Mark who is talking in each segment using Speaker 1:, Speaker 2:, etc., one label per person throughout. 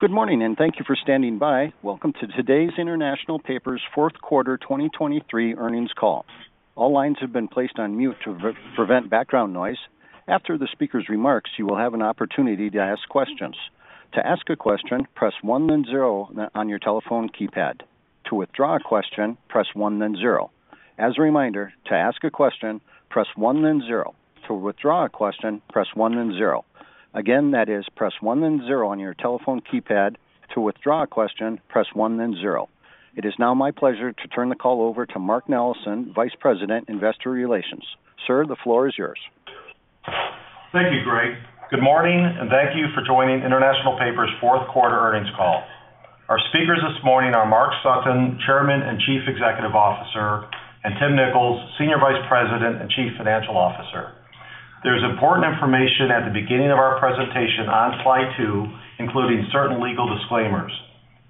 Speaker 1: Good morning, and thank you for standing by. Welcome to today's International Paper's fourth quarter 2023 earnings call. All lines have been placed on mute to prevent background noise. After the speaker's remarks, you will have an opportunity to ask questions. To ask a question, press one then zero on your telephone keypad. To withdraw a question, press one, then zero. As a reminder, to ask a question, press one, then zero. To withdraw a question, press one, then zero. Again, that is, press one, then zero on your telephone keypad. To withdraw a question, press one, then zero. It is now my pleasure to turn the call over to Mark Nellessen, Vice President, Investor Relations. Sir, the floor is yours.
Speaker 2: Thank you, Greg. Good morning, and thank you for joining International Paper's fourth quarter earnings call. Our speakers this morning are Mark Sutton, Chairman and Chief Executive Officer, and Tim Nicholls, Senior Vice President and Chief Financial Officer. There's important information at the beginning of our presentation on slide two, including certain legal disclaimers.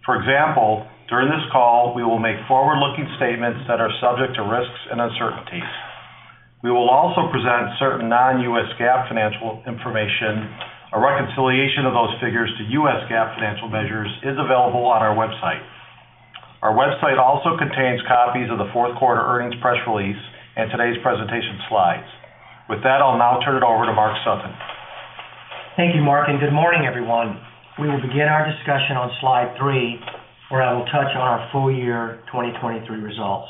Speaker 2: For example, during this call, we will make forward-looking statements that are subject to risks and uncertainties. We will also present certain non-U.S. GAAP financial information. A reconciliation of those figures to U.S. GAAP financial measures is available on our website. Our website also contains copies of the fourth quarter earnings press release and today's presentation slides. With that, I'll now turn it over to Mark Sutton.
Speaker 3: Thank you, Mark, and good morning, everyone. We will begin our discussion on slide three, where I will touch on our full year 2023 results.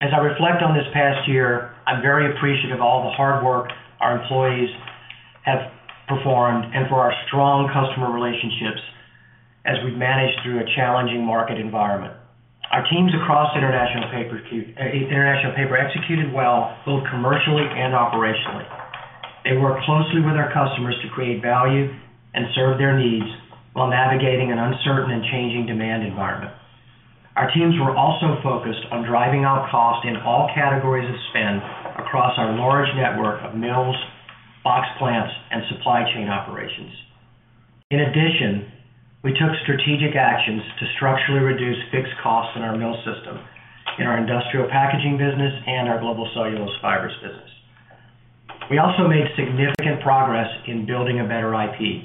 Speaker 3: As I reflect on this past year, I'm very appreciative of all the hard work our employees have performed and for our strong customer relationships as we've managed through a challenging market environment. Our teams across International Paper executed well, both commercially and operationally. They worked closely with our customers to create value and serve their needs while navigating an uncertain and changing demand environment. Our teams were also focused on driving out cost in all categories of spend across our large network of mills, box plants, and supply chain operations. In addition, we took strategic actions to structurally reduce fixed costs in our mill system, in our Industrial Packaging business, and our Global Cellulose Fibers business. We also made significant progress in Building a Better IP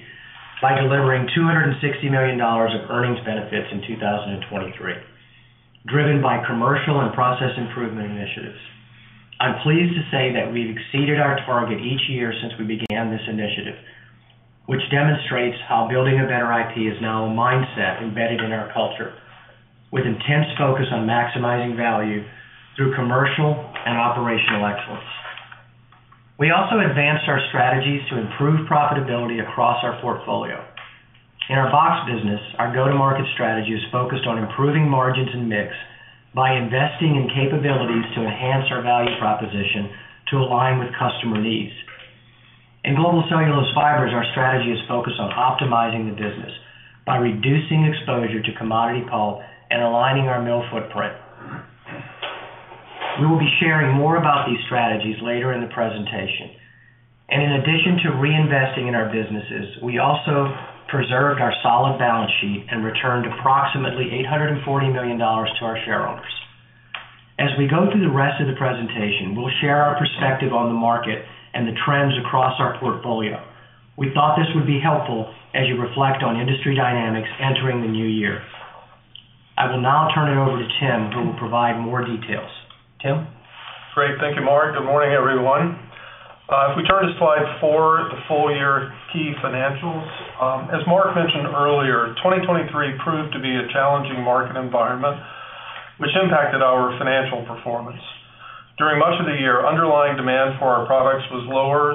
Speaker 3: by delivering $260 million of earnings benefits in 2023, driven by commercial and process improvement initiatives. I'm pleased to say that we've exceeded our target each year since we began this initiative, which demonstrates how Building a Better IP is now a mindset embedded in our culture, with intense focus on maximizing value through commercial and operational excellence. We also advanced our strategies to improve profitability across our portfolio. In our box business, our go-to-market strategy is focused on improving margins and mix by investing in capabilities to enhance our value proposition to align with customer needs. In Global Cellulose Fibers, our strategy is focused on optimizing the business by reducing exposure to commodity pulp and aligning our mill footprint. We will be sharing more about these strategies later in the presentation. In addition to reinvesting in our businesses, we also preserved our solid balance sheet and returned approximately $840 million to our shareholders. As we go through the rest of the presentation, we'll share our perspective on the market and the trends across our portfolio. We thought this would be helpful as you reflect on industry dynamics entering the new year. I will now turn it over to Tim, who will provide more details. Tim?
Speaker 4: Great. Thank you, Mark. Good morning, everyone. If we turn to slide four, the full year key financials. As Mark mentioned earlier, 2023 proved to be a challenging market environment, which impacted our financial performance. During much of the year, underlying demand for our products was lower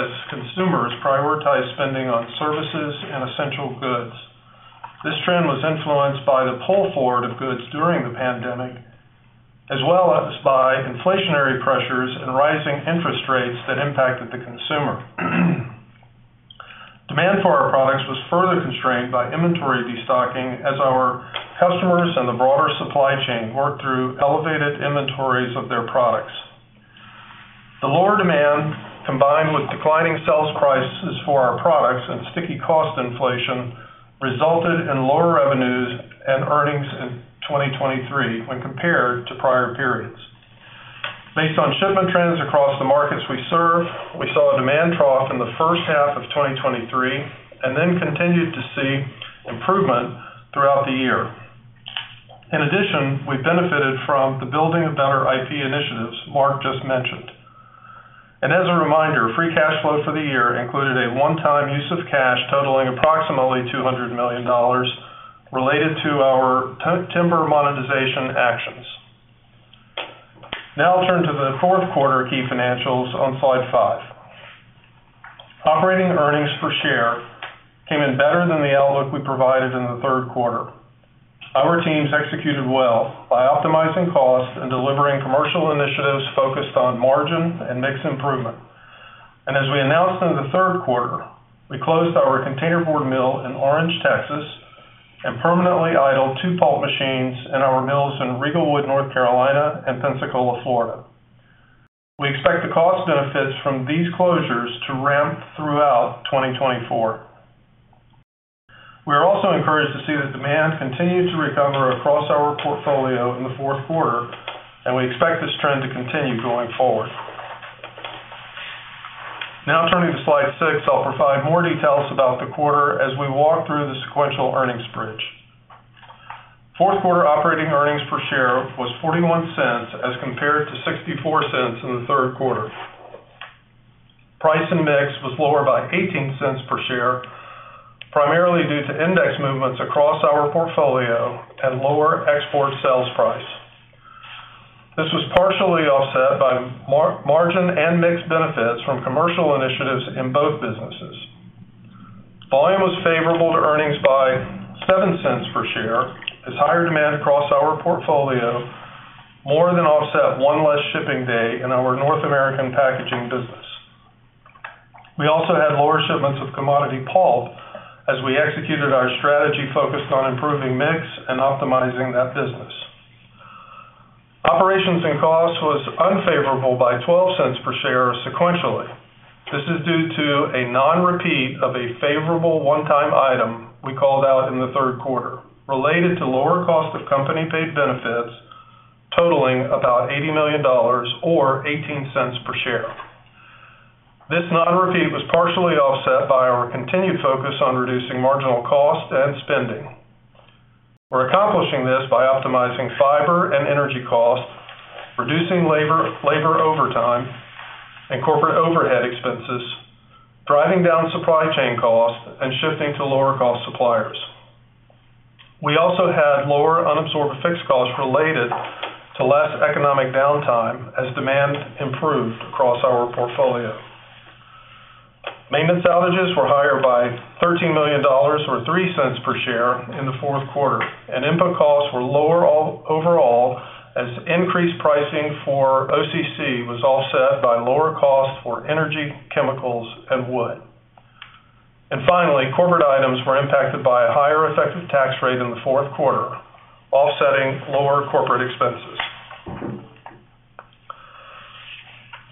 Speaker 4: as consumers prioritized spending on services and essential goods. This trend was influenced by the pull forward of goods during the pandemic, as well as by inflationary pressures and rising interest rates that impacted the consumer. Demand for our products was further constrained by inventory destocking as our customers and the broader supply chain worked through elevated inventories of their products. The lower demand, combined with declining sales prices for our products and sticky cost inflation, resulted in lower revenues and earnings in 2023 when compared to prior periods. Based on shipment trends across the markets we serve, we saw a demand trough in the first half of 2023, and then continued to see improvement throughout the year. In addition, we benefited from the Building a Better IP initiatives Mark just mentioned. As a reminder, free cash flow for the year included a one-time use of cash totaling approximately $200 million related to our timber monetization actions. Now I'll turn to the fourth quarter key financials on slide five. Operating earnings per share came in better than the outlook we provided in the third quarter. Our teams executed well by optimizing costs and delivering commercial initiatives focused on margin and mix improvement. As we announced in the third quarter, we closed our containerboard mill in Orange, Texas, and permanently idled two pulp machines in our mills in Riegelwood, North Carolina, and Pensacola, Florida. We expect the cost benefits from these closures to ramp throughout 2024. We are also encouraged to see that demand continued to recover across our portfolio in the fourth quarter, and we expect this trend to continue going forward. Now turning to slide six, I'll provide more details about the quarter as we walk through the sequential earnings bridge. Fourth quarter operating earnings per share was $0.41, as compared to $0.64 in the third quarter. Price and mix was lower by $0.18 per share, primarily due to index movements across our portfolio and lower export sales price. This was partially offset by margin and mix benefits from commercial initiatives in both businesses. Volume was favorable to earnings by $0.07 per share, as higher demand across our portfolio more than offset one less shipping day in our North American packaging business. We also had lower shipments of commodity pulp as we executed our strategy focused on improving mix and optimizing that business. Operations and costs was unfavorable by $0.12 per share sequentially. This is due to a non-repeat of a favorable one-time item we called out in the third quarter, related to lower cost of company-paid benefits, totaling about $80 million or $0.18 per share. This non-repeat was partially offset by our continued focus on reducing marginal cost and spending. We're accomplishing this by optimizing fiber and energy costs, reducing labor, labor overtime and corporate overhead expenses, driving down supply chain costs, and shifting to lower-cost suppliers. We also had lower unabsorbed fixed costs related to less economic downtime as demand improved across our portfolio. Maintenance outages were higher by $13 million, or $0.03 per share in the fourth quarter, and input costs were lower overall, as increased pricing for OCC was offset by lower costs for energy, chemicals, and wood. Finally, corporate items were impacted by a higher effective tax rate in the fourth quarter, offsetting lower corporate expenses.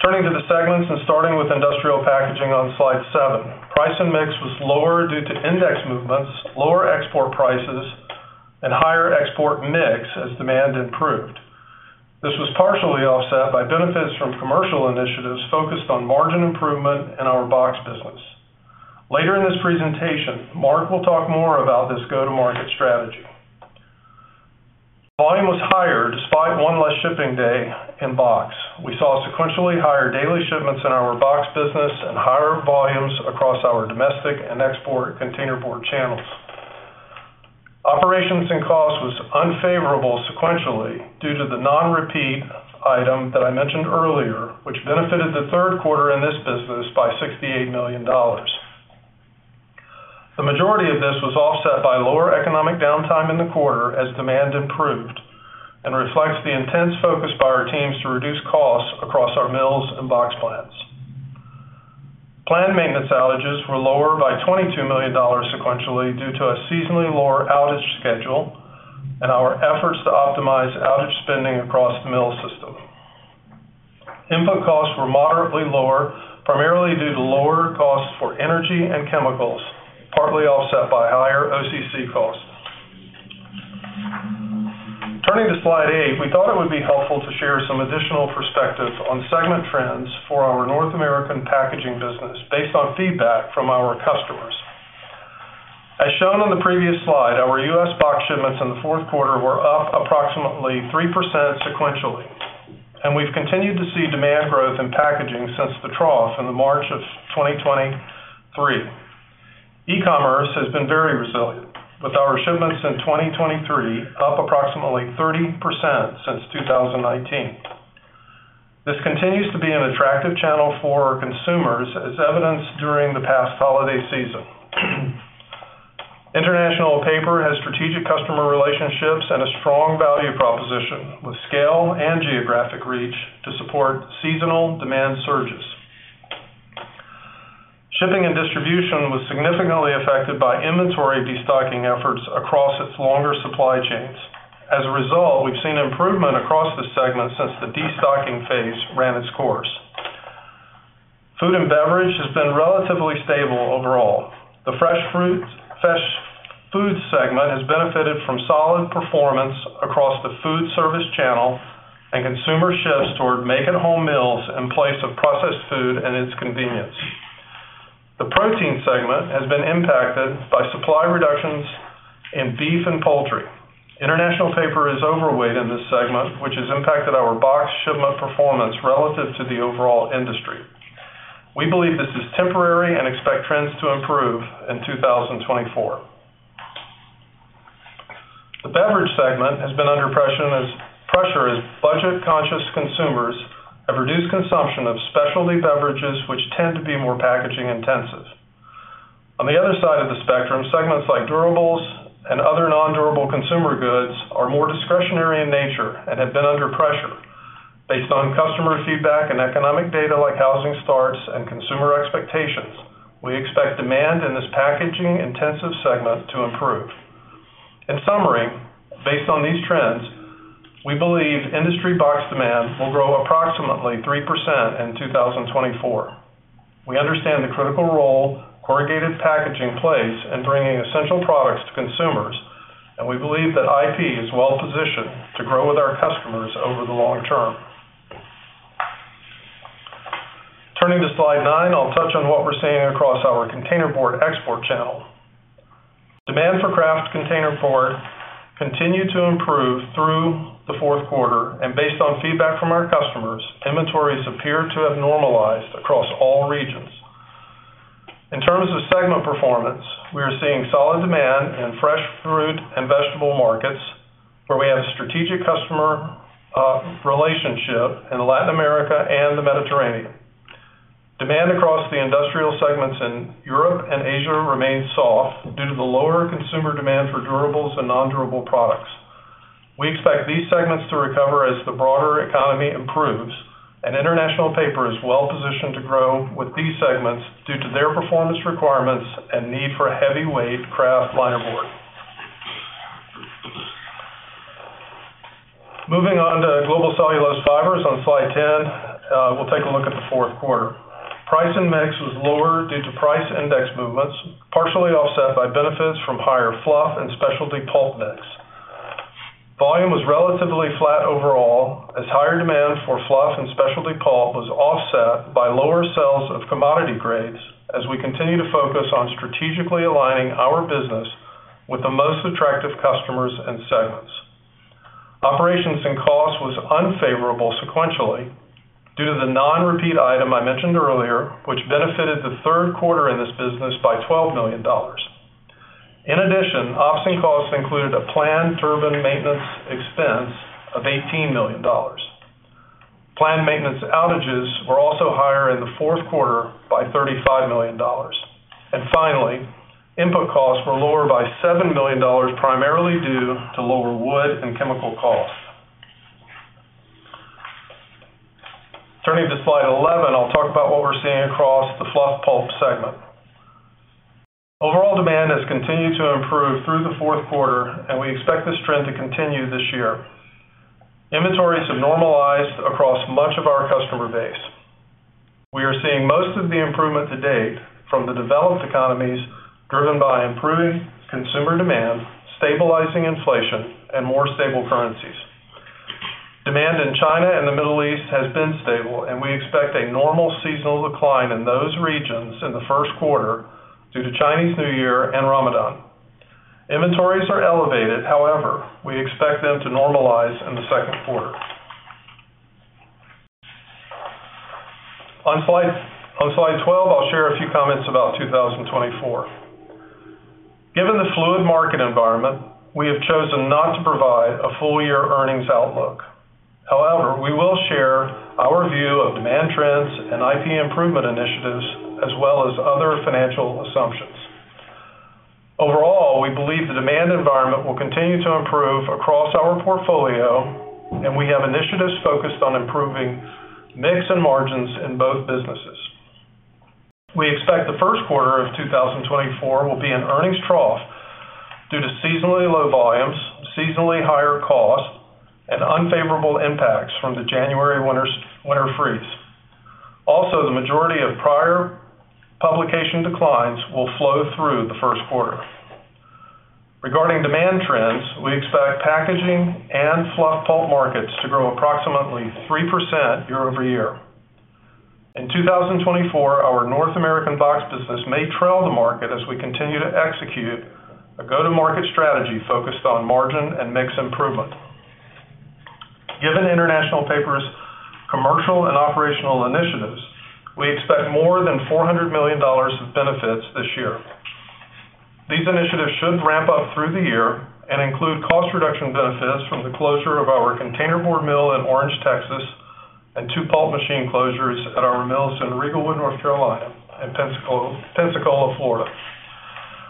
Speaker 4: Turning to the segments, starting with Industrial Packaging on slide seven. Price and mix was lower due to index movements, lower export prices, and higher export mix as demand improved. This was partially offset by benefits from commercial initiatives focused on margin improvement in our box business. Later in this presentation, Mark will talk more about this go-to-market strategy. Volume was higher despite one less shipping day in box. We saw sequentially higher daily shipments in our box business and higher volumes across our domestic and export containerboard channels. Operations and costs was unfavorable sequentially due to the non-repeat item that I mentioned earlier, which benefited the third quarter in this business by $68 million. The majority of this was offset by lower economic downtime in the quarter as demand improved, and reflects the intense focus by our teams to reduce costs across our mills and box plants. Planned maintenance outages were lower by $22 million sequentially due to a seasonally lower outage schedule and our efforts to optimize outage spending across the mill system. Input costs were moderately lower, primarily due to lower costs for energy and chemicals, partly offset by higher OCC costs. Turning to slide eight, we thought it would be helpful to share some additional perspective on segment trends for our North American packaging business based on feedback from our customers. As shown on the previous slide, our U.S. box shipments in the fourth quarter were up approximately 3% sequentially, and we've continued to see demand growth in packaging since the trough in the March of 2023. E-commerce has been very resilient, with our shipments in 2023 up approximately 30% since 2019. This continues to be an attractive channel for our consumers, as evidenced during the past holiday season. International Paper has strategic customer relationships and a strong value proposition, with scale and geographic reach to support seasonal demand surges. Shipping and distribution was significantly affected by inventory destocking efforts across its longer supply chains. As a result, we've seen improvement across the segment since the destocking phase ran its course. Food and beverage has been relatively stable overall. The fresh food segment has benefited from solid performance across the food service channel and consumer shifts toward make-at-home meals in place of processed food and its convenience. The protein segment has been impacted by supply reductions in beef and poultry. International Paper is overweight in this segment, which has impacted our box shipment performance relative to the overall industry. We believe this is temporary and expect trends to improve in 2024. The beverage segment has been under pressure as budget-conscious consumers have reduced consumption of specialty beverages, which tend to be more packaging intensive. On the other side of the spectrum, segments like durables and other non-durable consumer goods are more discretionary in nature and have been under pressure. Based on customer feedback and economic data like housing starts and consumer expectations, we expect demand in this packaging-intensive segment to improve. In summary, based on these trends, we believe industry box demand will grow approximately 3% in 2024. We understand the critical role corrugated packaging plays in bringing essential products to consumers, and we believe that IP is well-positioned to grow with our customers over the long term. Turning to slide nine, I'll touch on what we're seeing across our containerboard export channel. Demand for kraft containerboard continued to improve through the fourth quarter, and based on feedback from our customers, inventories appear to have normalized across all regions. In terms of segment performance, we are seeing solid demand in fresh fruit and vegetable markets, where we have a strategic customer relationship in Latin America and the Mediterranean. Demand across the industrial segments in Europe and Asia remains soft due to the lower consumer demand for durables and nondurable products. We expect these segments to recover as the broader economy improves, and International Paper is well positioned to grow with these segments due to their performance requirements and need for heavyweight kraft linerboard. Moving on to Global Cellulose Fibers on slide 10, we'll take a look at the fourth quarter. Price and mix was lower due to price index movements, partially offset by benefits from higher fluff and specialty pulp mix. Volume was relatively flat overall, as higher demand for fluff and specialty pulp was offset by lower sales of commodity grades as we continue to focus on strategically aligning our business with the most attractive customers and segments. Operations and cost was unfavorable sequentially due to the non-repeat item I mentioned earlier, which benefited the third quarter in this business by $12 million. In addition, ops and costs included a planned turbine maintenance expense of $18 million. Planned maintenance outages were also higher in the fourth quarter by $35 million. Finally, input costs were lower by $7 million, primarily due to lower wood and chemical costs. Turning to slide 11, I'll talk about what we're seeing across the fluff pulp segment. Overall demand has continued to improve through the fourth quarter, and we expect this trend to continue this year. Inventories have normalized across much of our customer base. We are seeing most of the improvement to date from the developed economies, driven by improving consumer demand, stabilizing inflation, and more stable currencies. Demand in China and the Middle East has been stable, and we expect a normal seasonal decline in those regions in the first quarter due to Chinese New Year and Ramadan. Inventories are elevated. However, we expect them to normalize in the second quarter. On slide 12, I'll share a few comments about 2024. Given the fluid market environment, we have chosen not to provide a full-year earnings outlook. However, we will share our view of demand trends and IP improvement initiatives, as well as other financial assumptions. Overall, we believe the demand environment will continue to improve across our portfolio, and we have initiatives focused on improving mix and margins in both businesses. We expect the first quarter of 2024 will be an earnings trough due to seasonally low volumes, seasonally higher costs, and unfavorable impacts from the January winter freeze. Also, the majority of prior publication declines will flow through the first quarter. Regarding demand trends, we expect packaging and fluff pulp markets to grow approximately 3% year-over-year. In 2024, our North American box business may trail the market as we continue to execute a go-to-market strategy focused on margin and mix improvement. Given International Paper's commercial and operational initiatives, we expect more than $400 million of benefits this year. These initiatives should ramp up through the year and include cost reduction benefits from the closure of our containerboard mill in Orange, Texas, and two pulp machine closures at our mills in Riegelwood, North Carolina, and Pensacola, Florida.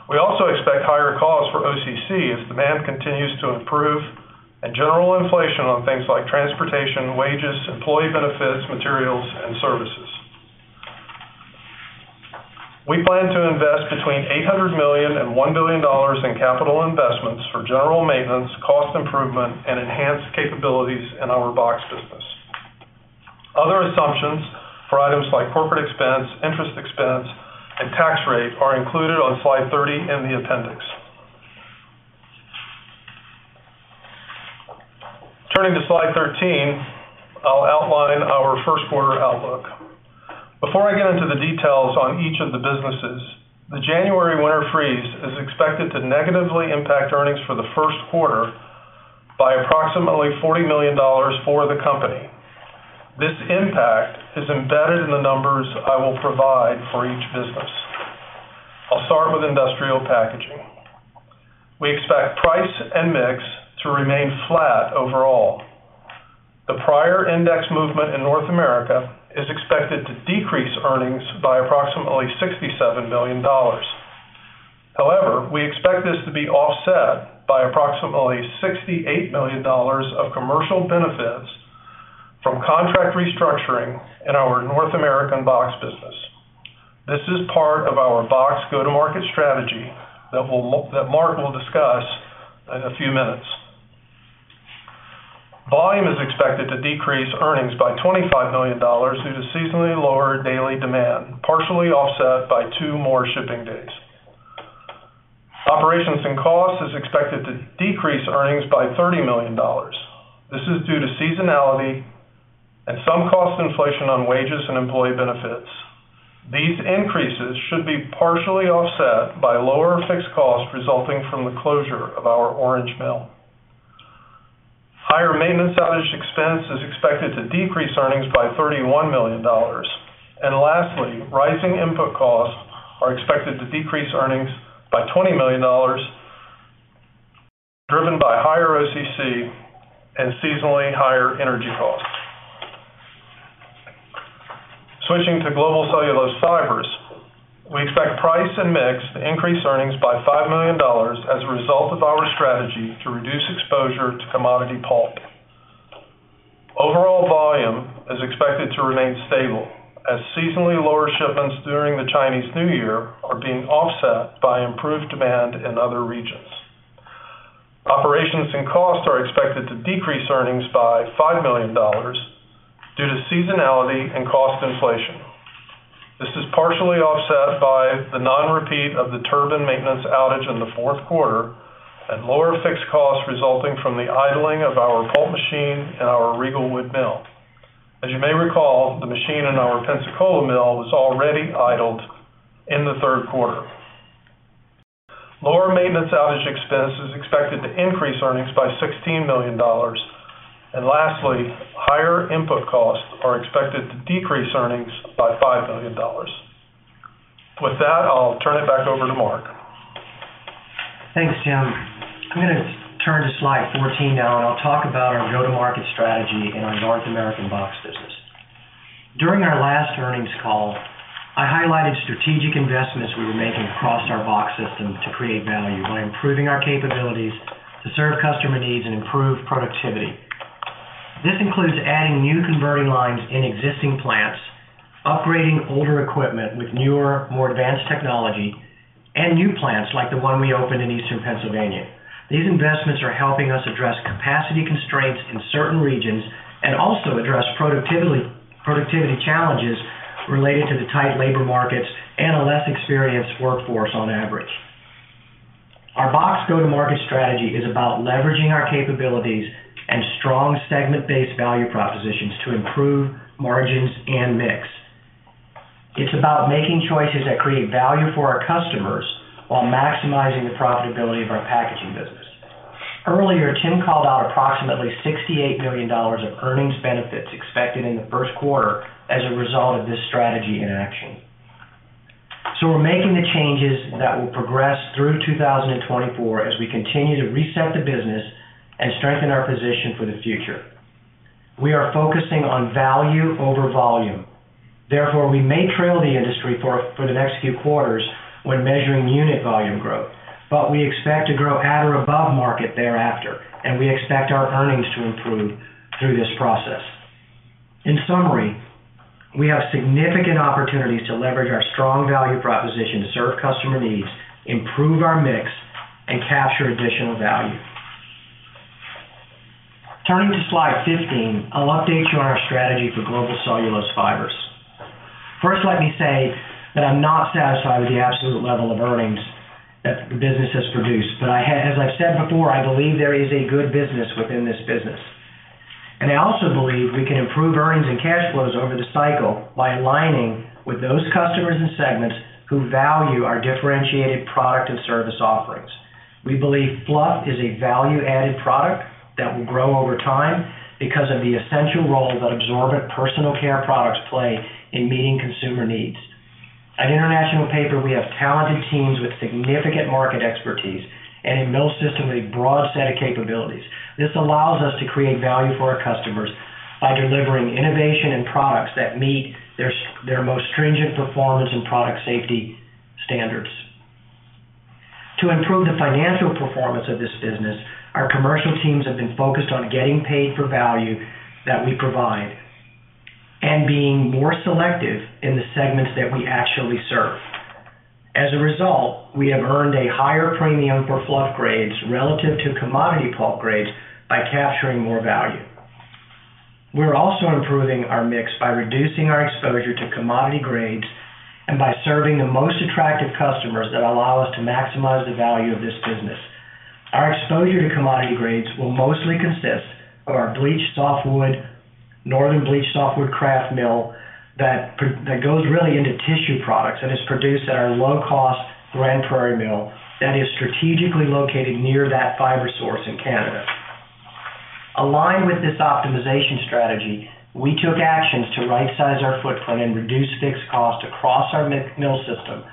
Speaker 4: We also expect higher costs for OCC as demand continues to improve and general inflation on things like transportation, wages, employee benefits, materials, and services. We plan to invest between $800 million and $1 billion in capital investments for general maintenance, cost improvement, and enhanced capabilities in our box business. Other assumptions for items like corporate expense, interest expense, and tax rate are included on slide 30 in the appendix. Turning to slide 13, I'll outline our first quarter outlook. Before I get into the details on each of the businesses, the January winter freeze is expected to negatively impact earnings for the first quarter by approximately $40 million for the company. This impact is embedded in the numbers I will provide for each business. I'll start with Industrial Packaging. We expect price and mix to remain flat overall. The prior index movement in North America is expected to decrease earnings by approximately $67 million. However, we expect this to be offset by approximately $68 million of commercial benefits from contract restructuring in our North American box business. This is part of our box go-to-market strategy that will- that Mark will discuss in a few minutes. Volume is expected to decrease earnings by $25 million due to seasonally lower daily demand, partially offset by two more shipping dates. Operations and cost is expected to decrease earnings by $30 million. This is due to seasonality and some cost inflation on wages and employee benefits. These increases should be partially offset by lower fixed costs resulting from the closure of our Orange Mill. Higher maintenance outage expense is expected to decrease earnings by $31 million. And lastly, rising input costs are expected to decrease earnings by $20 million, driven by higher OCC and seasonally higher energy costs. Switching to Global Cellulose Fibers, we expect price and mix to increase earnings by $5 million as a result of our strategy to reduce exposure to commodity pulp. Overall volume is expected to remain stable, as seasonally lower shipments during the Chinese New Year are being offset by improved demand in other regions. Operations and costs are expected to decrease earnings by $5 million due to seasonality and cost inflation. This is partially offset by the non-repeat of the turbine maintenance outage in the fourth quarter and lower fixed costs resulting from the idling of our pulp machine in our Riegelwood Mill. As you may recall, the machine in our Pensacola Mill was already idled in the third quarter. Lower maintenance outage expense is expected to increase earnings by $16 million. And lastly, higher input costs are expected to decrease earnings by $5 million. With that, I'll turn it back over to Mark.
Speaker 3: Thanks, Tim. I'm going to turn to slide 14 now, and I'll talk about our go-to-market strategy in our North American box business. During our last earnings call, I highlighted strategic investments we were making across our box system to create value by improving our capabilities to serve customer needs and improve productivity. This includes adding new converting lines in existing plants, upgrading older equipment with newer, more advanced technology, and new plants like the one we opened in Eastern Pennsylvania. These investments are helping us address capacity constraints in certain regions, and also address productivity challenges related to the tight labor markets and a less experienced workforce on average. Our box go-to-market strategy is about leveraging our capabilities and strong segment-based value propositions to improve margins and mix. It's about making choices that create value for our customers while maximizing the profitability of our packaging business. Earlier, Tim called out approximately $68 million of earnings benefits expected in the first quarter as a result of this strategy in action. So we're making the changes that will progress through 2024 as we continue to reset the business and strengthen our position for the future. We are focusing on value over volume. Therefore, we may trail the industry for the next few quarters when measuring unit volume growth, but we expect to grow at or above market thereafter, and we expect our earnings to improve through this process. In summary, we have significant opportunities to leverage our strong value proposition to serve customer needs, improve our mix, and capture additional value. Turning to slide 15, I'll update you on our strategy for Global Cellulose Fibers. First, let me say that I'm not satisfied with the absolute level of earnings that the business has produced, but I have, as I've said before, I believe there is a good business within this business. And I also believe we can improve earnings and cash flows over the cycle by aligning with those customers and segments who value our differentiated product and service offerings. We believe fluff is a value-added product that will grow over time because of the essential role that absorbent personal care products play in meeting consumer needs. At International Paper, we have talented teams with significant market expertise and a mill system with a broad set of capabilities. This allows us to create value for our customers by delivering innovation and products that meet their, their most stringent performance and product safety standards. To improve the financial performance of this business, our commercial teams have been focused on getting paid for value that we provide and being more selective in the segments that we actually serve. As a result, we have earned a higher premium for fluff grades relative to commodity pulp grades by capturing more value. We're also improving our mix by reducing our exposure to commodity grades and by serving the most attractive customers that allow us to maximize the value of this business. Our exposure to commodity grades will mostly consist of our bleached softwood, Northern Bleached Softwood Kraft mill, that that goes really into tissue products and is produced at our low-cost Grande Prairie Mill that is strategically located near that fiber source in Canada. Aligned with this optimization strategy, we took actions to rightsize our footprint and reduce fixed costs across our mill system,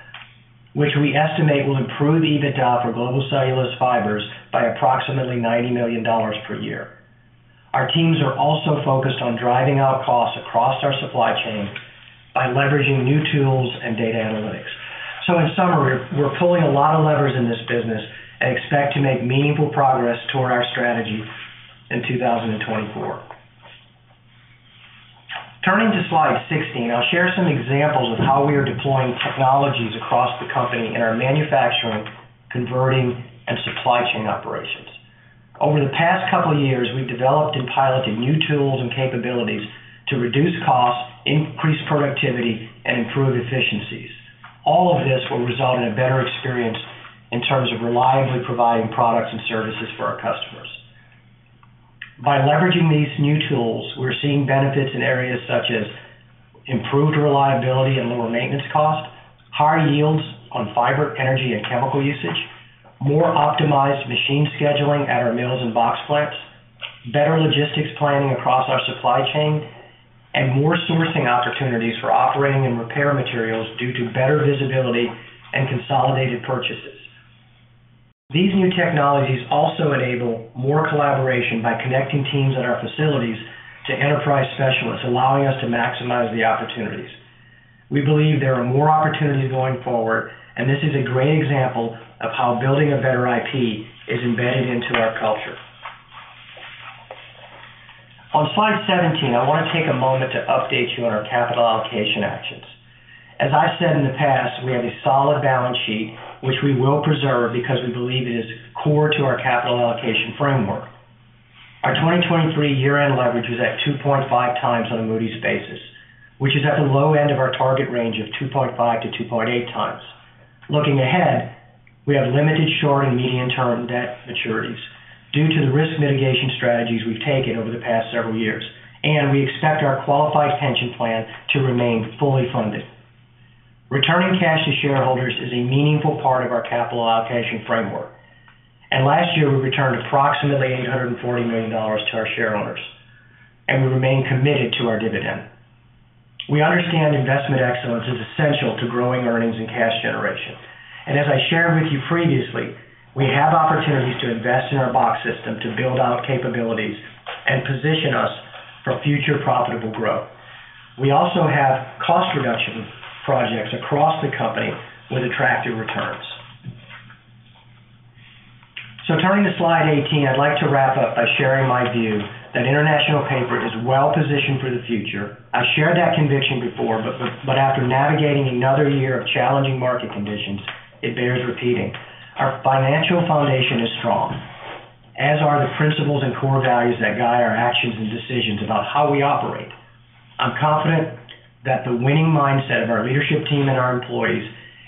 Speaker 3: which we estimate will improve EBITDA for Global Cellulose Fibers by approximately $90 million per year. Our teams are also focused on driving out costs across our supply chain by leveraging new tools and data analytics. So in summary, we're pulling a lot of levers in this business and expect to make meaningful progress toward our strategy in 2024.... Turning to slide 16, I'll share some examples of how we are deploying technologies across the company in our manufacturing, converting, and supply chain operations. Over the past couple of years, we've developed and piloted new tools and capabilities to reduce costs, increase productivity, and improve efficiencies. All of this will result in a better experience in terms of reliably providing products and services for our customers. By leveraging these new tools, we're seeing benefits in areas such as improved reliability and lower maintenance costs, higher yields on fiber, energy, and chemical usage, more optimized machine scheduling at our mills and box plants, better logistics planning across our supply chain, and more sourcing opportunities for operating and repair materials due to better visibility and consolidated purchases. These new technologies also enable more collaboration by connecting teams at our facilities to enterprise specialists, allowing us to maximize the opportunities. We believe there are more opportunities going forward, and this is a great example of how Building a Better IP is embedded into our culture. On slide 17, I want to take a moment to update you on our capital allocation actions. As I said in the past, we have a solid balance sheet, which we will preserve because we believe it is core to our capital allocation framework. Our 2023 year-end leverage was at 2.5x on a Moody's basis, which is at the low end of our target range of 2.5x-2.8x. Looking ahead, we have limited short and medium-term debt maturities due to the risk mitigation strategies we've taken over the past several years, and we expect our qualified pension plan to remain fully funded. Returning cash to shareholders is a meaningful part of our capital allocation framework, and last year, we returned approximately $840 million to our shareholders, and we remain committed to our dividend. We understand investment excellence is essential to growing earnings and cash generation. And as I shared with you previously, we have opportunities to invest in our box system to build out capabilities and position us for future profitable growth. We also have cost reduction projects across the company with attractive returns. So turning to slide 18, I'd like to wrap up by sharing my view that International Paper is well positioned for the future. I've shared that conviction before, but after navigating another year of challenging market conditions, it bears repeating. Our financial foundation is strong, as are the principles and core values that guide our actions and decisions about how we operate. I'm confident that the winning mindset of our leadership team and our employees,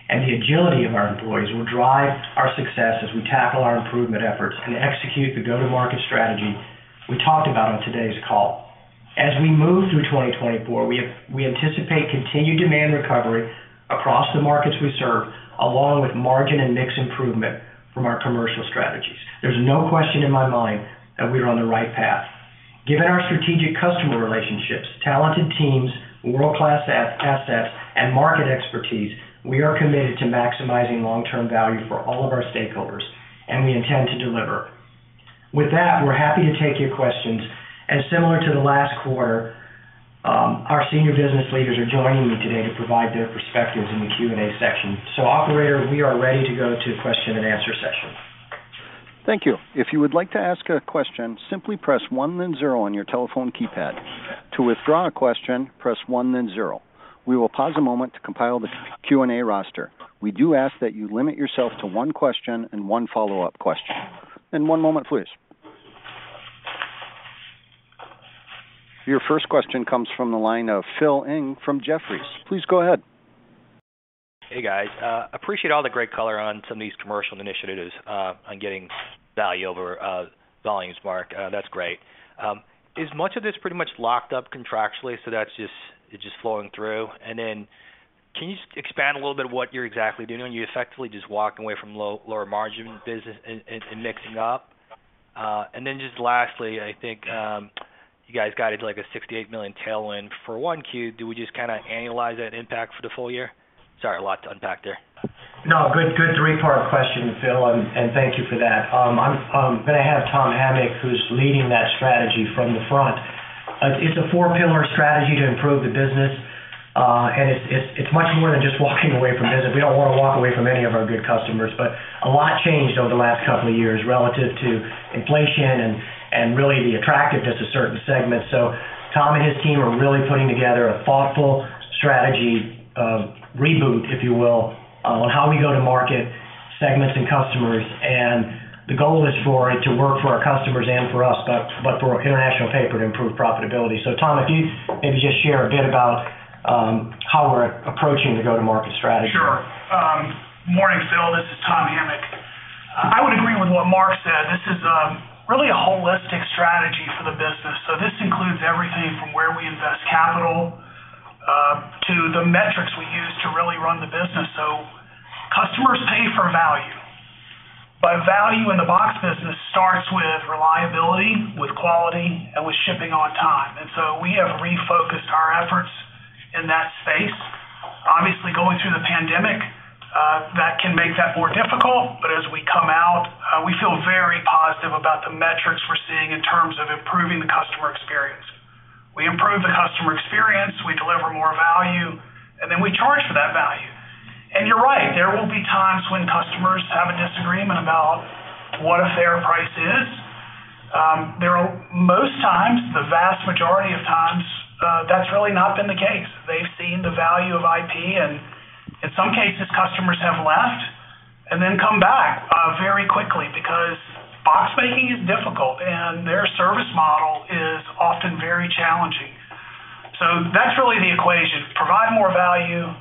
Speaker 3: and the agility of our employees will drive our success as we tackle our improvement efforts and execute the go-to-market strategy we talked about on today's call. As we move through 2024, we have, we anticipate continued demand recovery across the markets we serve, along with margin and mix improvement from our commercial strategies. There's no question in my mind that we are on the right path. Given our strategic customer relationships, talented teams, world-class assets, and market expertise, we are committed to maximizing long-term value for all of our stakeholders, and we intend to deliver. With that, we're happy to take your questions, and similar to the last quarter, our senior business leaders are joining me today to provide their perspectives in the Q&A section. So Operator, we are ready to go to the question and answer session.
Speaker 1: Thank you. If you would like to ask a question, simply press one, then zero on your telephone keypad. To withdraw a question, press one, then zero. We will pause a moment to compile the Q&A roster. We do ask that you limit yourself to one question and one follow-up question. One moment, please. Your first question comes from the line of Phil Ng from Jefferies. Please go ahead.
Speaker 5: Hey, guys. Appreciate all the great color on some of these commercial initiatives on getting value over volumes, Mark. That's great. Is much of this pretty much locked up contractually, so that's just, it's just flowing through? And then can you just expand a little bit of what you're exactly doing when you're effectively just walking away from low-lower margin business and mixing up? And then just lastly, I think you guys guided, like, a $68 million tailwind for 1Q. Do we just kind of annualize that impact for the full year? Sorry, a lot to unpack there.
Speaker 3: No, good, good three-part question, Phil, and thank you for that. I'm going to have Tom Hamic, who's leading that strategy from the front. It's a four-pillar strategy to improve the business, and it's much more than just walking away from business. We don't want to walk away from any of our good customers, but a lot changed over the last couple of years relative to inflation and really the attractiveness to certain segments. So Tom and his team are really putting together a thoughtful strategy reboot, if you will, on how we go to market segments and customers. And the goal is for it to work for our customers and for us, but for International Paper to improve profitability. So Tom, if you maybe just share a bit about how we're approaching the go-to-market strategy.
Speaker 6: Sure. Morning, Phil, this is Tom Hamic. I would agree with what Mark said. This is really a holistic strategy for the business. So this includes everything from where we invest capital to the metrics we use to really run the business. So customers pay for value, but value in the box business starts with reliability, with quality, and with shipping on time. And so we have refocused our efforts in that space. Obviously, going through the pandemic, that can make that more difficult, but as we come out, we feel very positive about the metrics we're seeing in terms of improving the customer experience. We improve the customer experience and then we charge for that value. And you're right, there will be times when customers have a disagreement about what a fair price is. There are most times, the vast majority of times, that's really not been the case. They've seen the value of IP, and in some cases, customers have left and then come back very quickly because box making is difficult, and their service model is often very challenging. So that's really the equation. Provide more value,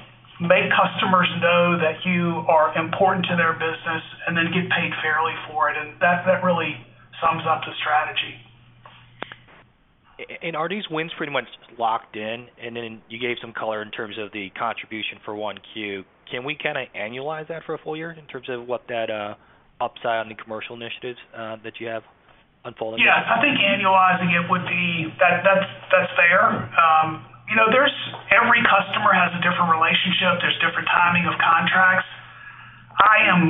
Speaker 6: make customers know that you are important to their business, and then get paid fairly for it, and that really sums up the strategy.
Speaker 5: Are these wins pretty much locked in? And then you gave some color in terms of the contribution for 1Q. Can we kinda annualize that for a full year in terms of what that, upside on the commercial initiatives, that you have unfolding?
Speaker 6: Yeah, I think annualizing it would be... That, that's fair. You know, every customer has a different relationship. There's different timing of contracts. I am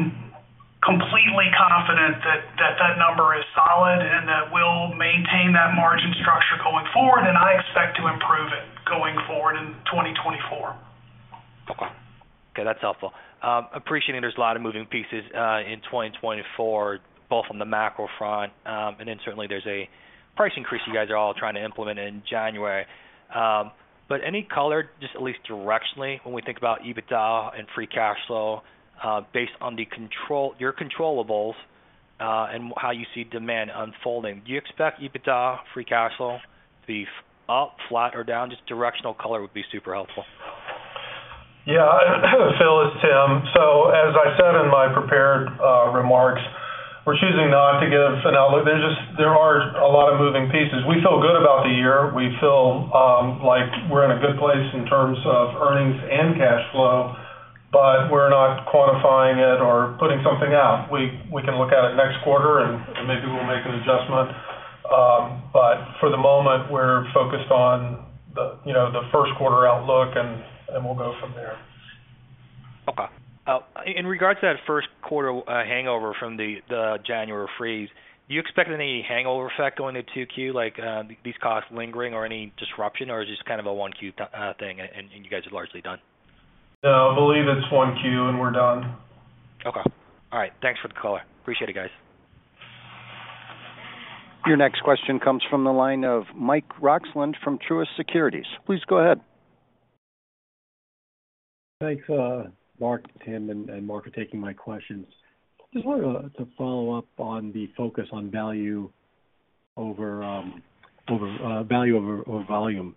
Speaker 6: completely confident that that number is solid and that we'll maintain that margin structure going forward, and I expect to improve it going forward in 2024.
Speaker 5: Okay. Okay, that's helpful. Appreciating there's a lot of moving pieces, in 2024, both on the macro front, and then certainly there's a price increase you guys are all trying to implement in January. But any color, just at least directionally, when we think about EBITDA and free cash flow, based on your controllables, and how you see demand unfolding. Do you expect EBITDA, free cash flow, to be up, flat, or down? Just directional color would be super helpful.
Speaker 4: Yeah, Phil, it's Tim. So as I said in my prepared remarks, we're choosing not to give an outlook. There's just, there are a lot of moving pieces. We feel good about the year. We feel like we're in a good place in terms of earnings and cash flow, but we're not quantifying it or putting something out. We can look at it next quarter, and maybe we'll make an adjustment. But for the moment, we're focused on the, you know, the first quarter outlook, and we'll go from there.
Speaker 5: Okay. In regards to that first quarter, hangover from the January freeze, do you expect any hangover effect going to 2Q, like, these costs lingering or any disruption, or is this kind of a 1Q thing, and you guys are largely done?
Speaker 4: No, I believe it's 1Q, and we're done.
Speaker 5: Okay. All right. Thanks for the color. Appreciate it, guys.
Speaker 1: Your next question comes from the line of Mike Roxland from Truist Securities. Please go ahead.
Speaker 7: Thanks, Mark, Tim, and Mark for taking my questions. Just wanted to follow up on the focus on value over volume.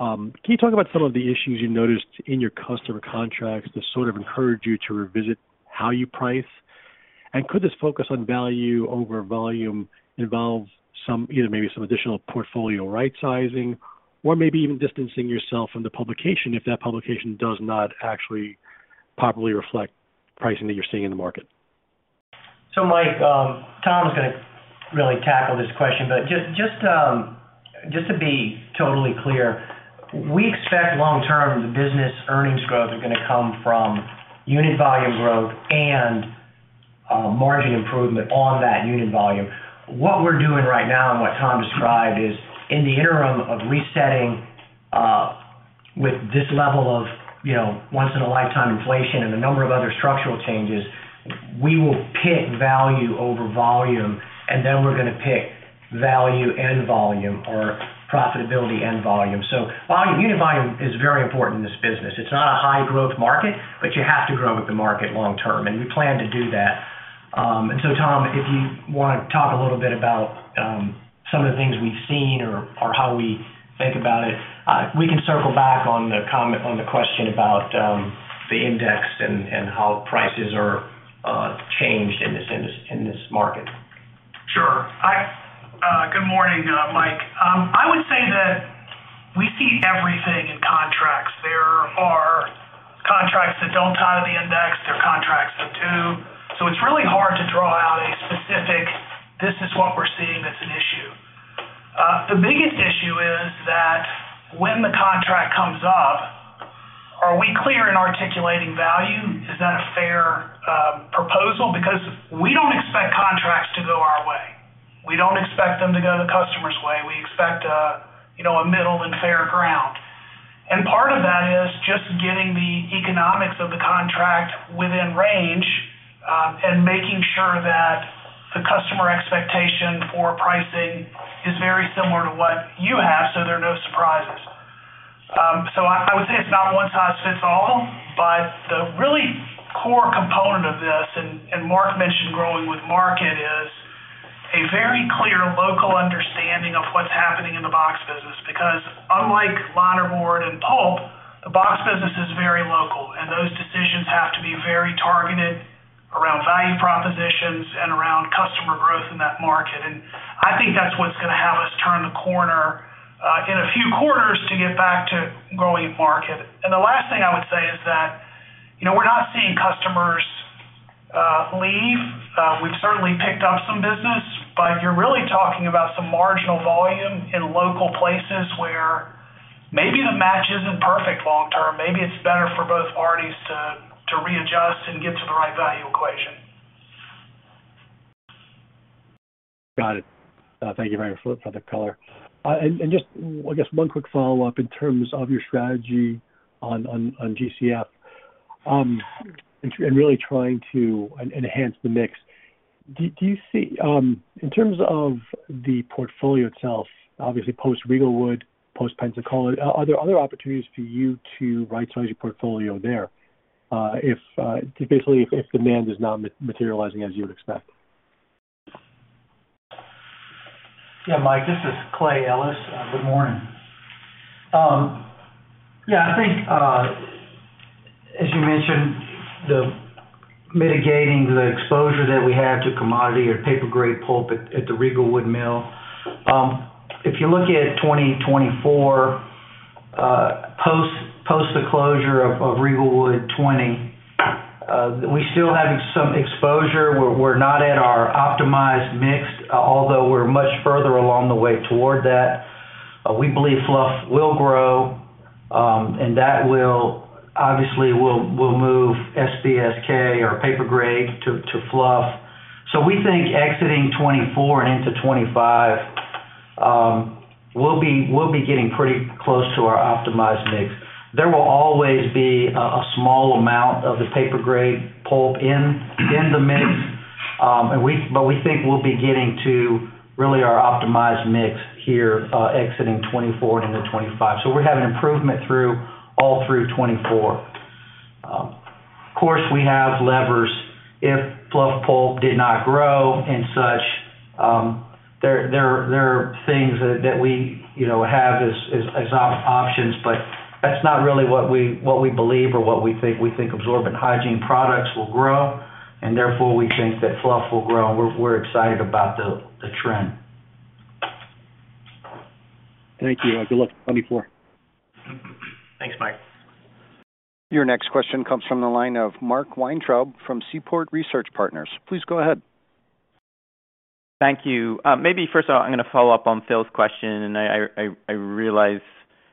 Speaker 7: Can you talk about some of the issues you noticed in your customer contracts that sort of encourage you to revisit how you price? And could this focus on value over volume involve some, you know, maybe some additional portfolio right-sizing, or maybe even distancing yourself from the publication if that publication does not actually properly reflect pricing that you're seeing in the market?
Speaker 3: So, Mike, Tom is gonna really tackle this question, but just, just, just to be totally clear, we expect long-term business earnings growth are gonna come from unit volume growth and, margin improvement on that unit volume. What we're doing right now, and what Tom described, is in the interim of resetting, with this level of, you know, once-in-a-lifetime inflation and a number of other structural changes, we will pick value over volume, and then we're gonna pick value and volume or profitability and volume. So volume, unit volume is very important in this business. It's not a high-growth market, but you have to grow with the market long term, and we plan to do that. So, Tom, if you want to talk a little bit about some of the things we've seen or how we think about it, we can circle back on the comment on the question about the index and how prices are changed in this market.
Speaker 6: Sure. Good morning, Mike. I would say that we see everything in contracts. There are contracts that don't tie to the index, there are contracts that do. So it's really hard to draw out a specific, this is what we're seeing that's an issue. The biggest issue is that when the contract comes up, are we clear in articulating value? Is that a fair proposal? Because we don't expect contracts to go our way. We don't expect them to go the customer's way. We expect, you know, a middle and fair ground. And part of that is just getting the economics of the contract within range, and making sure that the customer expectation for pricing is very similar to what you have, so there are no surprises. So I would say it's not one-size-fits-all, but the really core component of this, and Mark mentioned growing with market, is a very clear local understanding of what's happening in the box business. Because unlike linerboard and pulp, the box business is very local, and those decisions have to be very targeted around value propositions and around customer growth in that market. And I think that's what's gonna have us turn the corner in a few quarters to get back to growing market. And the last thing I would say is that, you know, we're not seeing customers leave. We've certainly picked up some business, but you're really talking about some marginal volume in local places where maybe the match isn't perfect long term. Maybe it's better for both parties to readjust and get to the right value equation....
Speaker 7: Got it. Thank you very much for the color. And just, I guess one quick follow-up in terms of your strategy on GCF, and really trying to enhance the mix. Do you see, in terms of the portfolio itself, obviously post Riegelwood, post Pensacola, are there other opportunities for you to right-size your portfolio there, if basically, if demand is not materializing as you would expect?
Speaker 8: Yeah, Mike, this is Clay Ellis. Good morning. Yeah, I think, as you mentioned, mitigating the exposure that we had to commodity or paper-grade pulp at the Riegelwood mill. If you look at 2024, post the closure of Riegelwood 2024, we still have some exposure. We're not at our optimized mix, although we're much further along the way toward that. We believe fluff will grow, and that will obviously move SBSK or paper grade to fluff. So we think exiting 2024 and into 2025, we'll be getting pretty close to our optimized mix. There will always be a small amount of the paper grade pulp in the mix, but we think we'll be getting to really our optimized mix here, exiting 2024 into 2025. So we're having improvement through 2024. Of course, we have levers. If fluff pulp did not grow and such, there are things that we, you know, have as options, but that's not really what we believe or what we think. We think absorbent hygiene products will grow, and therefore we think that fluff will grow, and we're excited about the trend.
Speaker 7: Thank you. Good luck, 2024.
Speaker 8: Thanks, Mike.
Speaker 1: Your next question comes from the line of Mark Weintraub from Seaport Research Partners. Please go ahead.
Speaker 9: Thank you. Maybe first of all, I'm gonna follow up on Phil's question, and I realize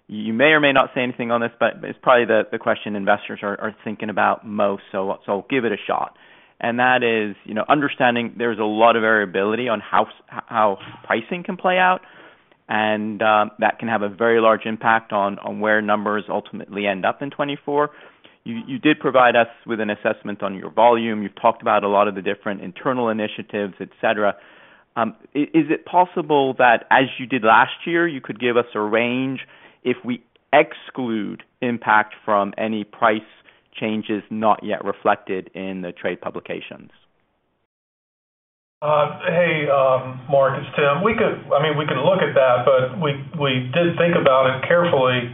Speaker 9: you may or may not say anything on this, but it's probably the question investors are thinking about most, so give it a shot. And that is, you know, understanding there's a lot of variability on how pricing can play out, and that can have a very large impact on where numbers ultimately end up in 2024. You did provide us with an assessment on your volume. You've talked about a lot of the different internal initiatives, et cetera. Is it possible that, as you did last year, you could give us a range if we exclude impact from any price changes not yet reflected in the trade publications?
Speaker 4: Hey, Mark, it's Tim. We could—I mean, we could look at that, but we, we did think about it carefully,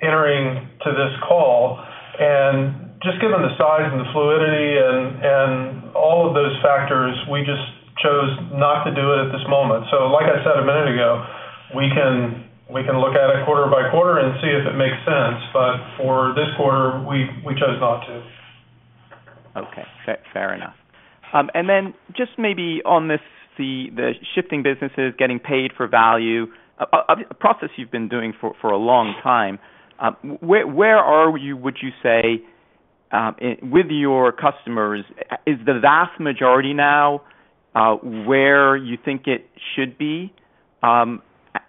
Speaker 4: entering to this call, and just given the size and the fluidity and, and all of those factors, we just chose not to do it at this moment. So like I said a minute ago, we can, we can look at it quarter by quarter and see if it makes sense, but for this quarter, we, we chose not to.
Speaker 9: Okay, fair, fair enough. And then just maybe on this, the shifting businesses, getting paid for value, a process you've been doing for a long time. Where are you, would you say, in with your customers, is the vast majority now where you think it should be?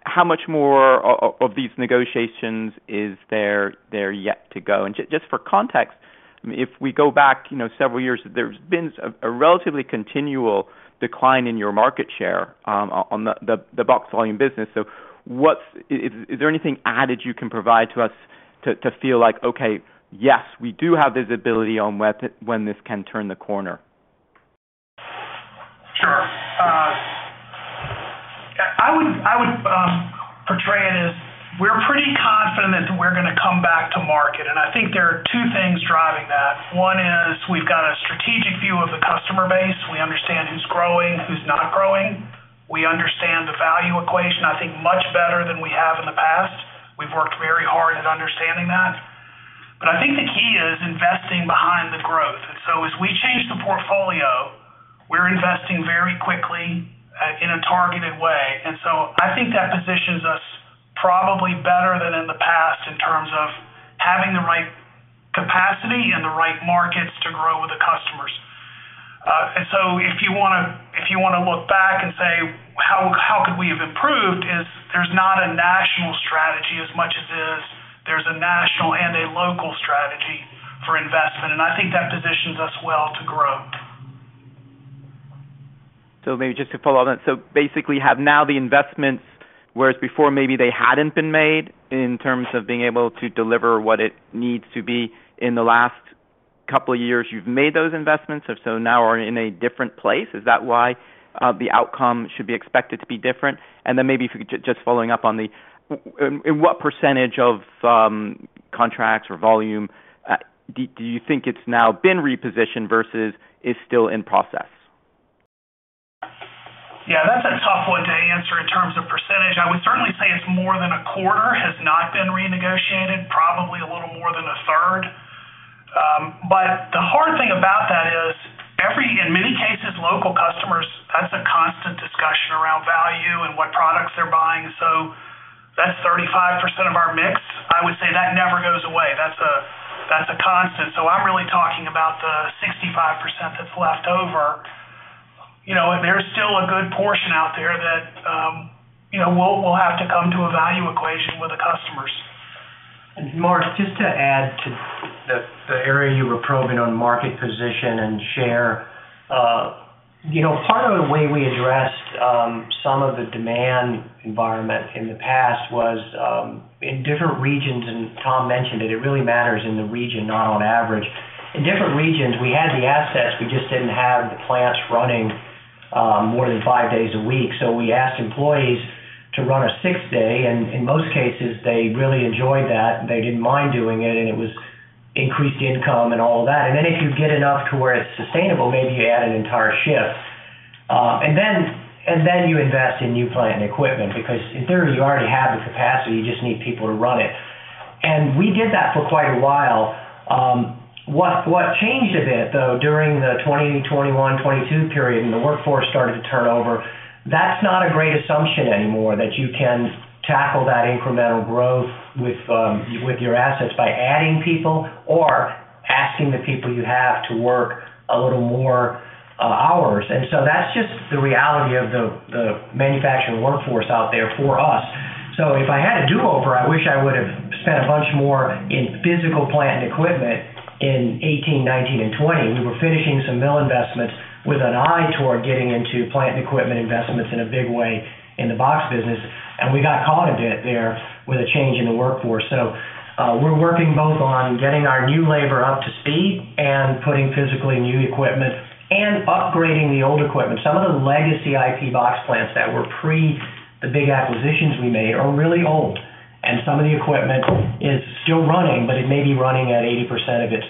Speaker 9: How much more of these negotiations is there yet to go? And just for context, if we go back, you know, several years, there's been a relatively continual decline in your market share on the box volume business. So what's... Is there anything added you can provide to us to feel like, okay, yes, we do have visibility on when this can turn the corner?
Speaker 6: Sure. I would portray it as we're pretty confident that we're gonna come back to market, and I think there are two things driving that. One is we've got a strategic view of the customer base. We understand who's growing, who's not growing. We understand the value equation, I think, much better than we have in the past. We've worked very hard at understanding that. But I think the key is investing behind the growth. And so as we change the portfolio, we're investing very quickly in a targeted way. And so I think that positions us probably better than in the past in terms of having the right capacity and the right markets to grow with the customers. and so if you wanna, if you wanna look back and say, "How could we have improved?" Is there's not a national strategy as much as there's a national and a local strategy for investment, and I think that positions us well to grow.
Speaker 9: So maybe just to follow on that, so basically have now the investments, whereas before maybe they hadn't been made in terms of being able to deliver what it needs to be. In the last couple of years, you've made those investments, so now are in a different place. Is that why the outcome should be expected to be different? And then maybe just following up on the in what percentage of contracts or volume do you think it's now been repositioned versus is still in process?
Speaker 6: Yeah, that's a tough one to answer in terms of percentage. I would certainly say it's more than a quarter has not been renegotiated, probably a little more than a third. But the hard thing about that is every, in many cases, local customers, that's a constant discussion.... and what products they're buying. So that's 35% of our mix. I would say that never goes away. That's a, that's a constant. So I'm really talking about the 65% that's left over. You know, there's still a good portion out there that, you know, we'll have to come to a value equation with the customers.
Speaker 3: And Mark, just to add to the area you were probing on market position and share. You know, part of the way we addressed some of the demand environment in the past was in different regions, and Tom mentioned it, it really matters in the region, not on average. In different regions, we had the assets, we just didn't have the plants running more than five days a week. So we asked employees to run a sixth day, and in most cases, they really enjoyed that. They didn't mind doing it, and it was increased income and all of that. And then if you get enough to where it's sustainable, maybe you add an entire shift, and then you invest in new plant and equipment, because in theory, you already have the capacity, you just need people to run it. We did that for quite a while. What changed a bit, though, during the 2021-2022 period, and the workforce started to turn over. That's not a great assumption anymore, that you can tackle that incremental growth with your assets by adding people or asking the people you have to work a little more hours. So that's just the reality of the manufacturing workforce out there for us. If I had a do-over, I wish I would have spent a bunch more in physical plant and equipment in 2018, 2019, and 2020. We were finishing some mill investments with an eye toward getting into plant and equipment investments in a big way in the box business, and we got caught a bit there with a change in the workforce. So, we're working both on getting our new labor up to speed and putting physically new equipment and upgrading the old equipment. Some of the legacy IP box plants that were pre the big acquisitions we made are really old, and some of the equipment is still running, but it may be running at 80% of its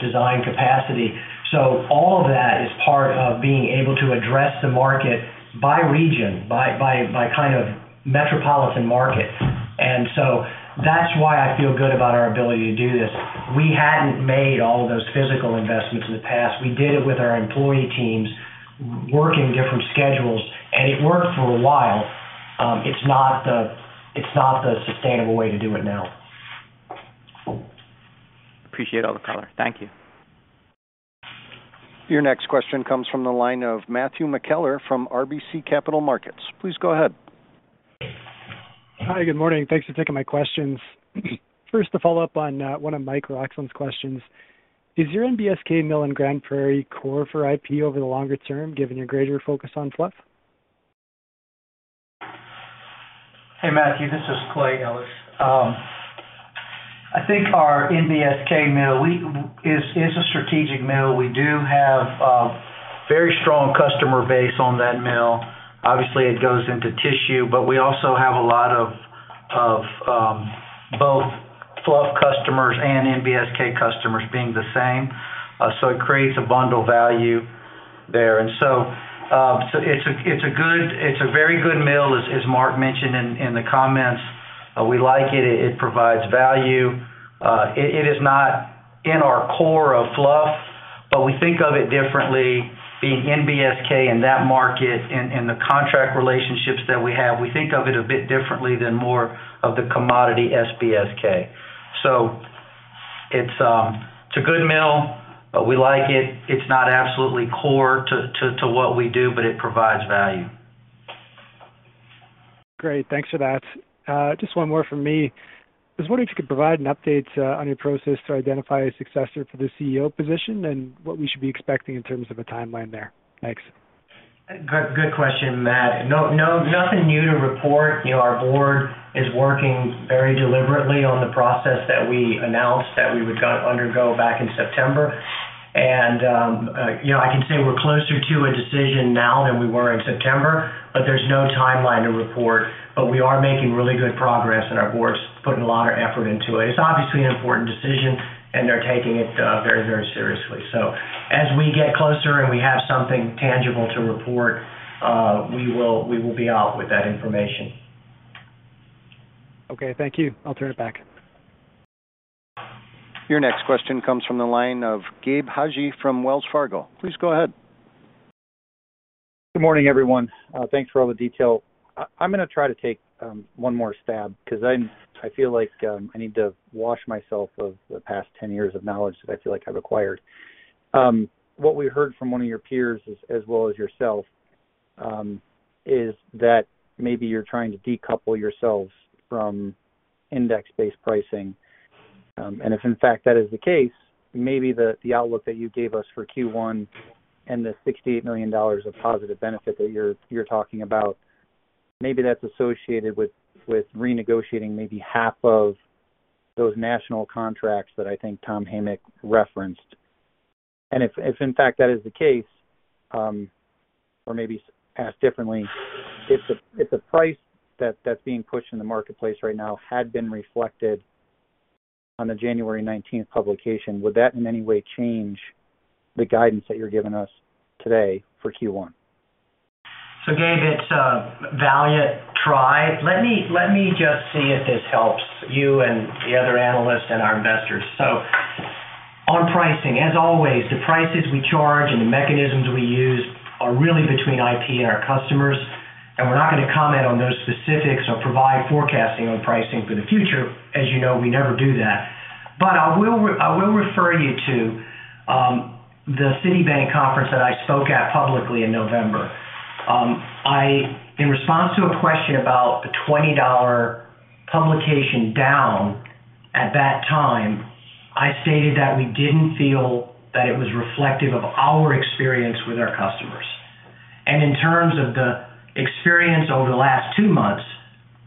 Speaker 3: design capacity. So all of that is part of being able to address the market by region, by kind of metropolitan market. And so that's why I feel good about our ability to do this. We hadn't made all of those physical investments in the past. We did it with our employee teams working different schedules, and it worked for a while. It's not the sustainable way to do it now.
Speaker 9: Appreciate all the color. Thank you.
Speaker 1: Your next question comes from the line of Matthew McKellar from RBC Capital Markets. Please go ahead.
Speaker 10: Hi, good morning. Thanks for taking my questions. First, to follow up on one of Mike Roxland's questions. Is your NBSK mill in Grande Prairie core for IP over the longer term, given your greater focus on fluff?
Speaker 8: Hey, Matthew, this is Clay Ellis. I think our NBSK mill is a strategic mill. We do have a very strong customer base on that mill. Obviously, it goes into tissue, but we also have a lot of both fluff customers and NBSK customers being the same. So it creates a bundle value there. And so it's a good—it's a very good mill, as Mark mentioned in the comments. We like it. It provides value. It is not in our core of fluff, but we think of it differently, being NBSK in that market and the contract relationships that we have, we think of it a bit differently than more of the commodity SBSK. So it's a good mill, but we like it. It's not absolutely core to what we do, but it provides value.
Speaker 10: Great. Thanks for that. Just one more from me. I was wondering if you could provide an update on your process to identify a successor for the CEO position and what we should be expecting in terms of a timeline there. Thanks.
Speaker 3: Good, good question, Matt. No, no, nothing new to report. You know, our board is working very deliberately on the process that we announced that we would undergo back in September. And, you know, I can say we're closer to a decision now than we were in September, but there's no timeline to report. But we are making really good progress, and our board's putting a lot of effort into it. It's obviously an important decision, and they're taking it very, very seriously. So as we get closer and we have something tangible to report, we will, we will be out with that information.
Speaker 10: Okay, thank you. I'll turn it back.
Speaker 1: Your next question comes from the line of Gabe Hajde from Wells Fargo. Please go ahead.
Speaker 11: Good morning, everyone. Thanks for all the detail. I'm gonna try to take one more stab because I feel like I need to wash myself of the past 10 years of knowledge that I feel like I've acquired. What we heard from one of your peers, as well as yourself, is that maybe you're trying to decouple yourselves from index-based pricing. And if in fact that is the case, maybe the outlook that you gave us for Q1 and the $68 million of positive benefit that you're talking about, maybe that's associated with renegotiating maybe half of those national contracts that I think Tom Hamic referenced. If in fact that is the case, or maybe asked differently, if the price that's being pushed in the marketplace right now had been reflected on the January nineteenth publication, would that in any way change the guidance that you're giving us today for Q1?
Speaker 3: So, Gabe, it's a valiant try. Let me just see if this helps you and the other analysts and our investors. On pricing, as always, the prices we charge and the mechanisms we use are really between IP and our customers, and we're not going to comment on those specifics or provide forecasting on pricing for the future. As you know, we never do that. But I will refer you to the Citibank conference that I spoke at publicly in November. I, in response to a question about a $20 publication down at that time, I stated that we didn't feel that it was reflective of our experience with our customers. In terms of the experience over the last two months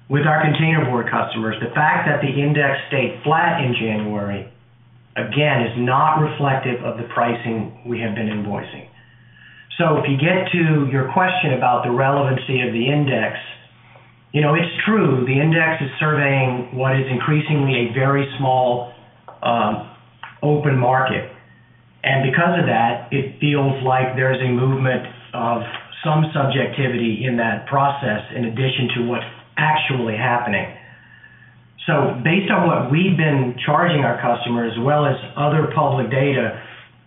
Speaker 3: with our containerboard customers, the fact that the index stayed flat in January, again, is not reflective of the pricing we have been invoicing. So if you get to your question about the relevancy of the index, you know, it's true, the index is surveying what is increasingly a very small open market, and because of that, it feels like there's a movement of some subjectivity in that process in addition to what's actually happening. So based on what we've been charging our customers, as well as other public data,